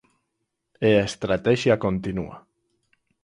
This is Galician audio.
E a estratexia continúa.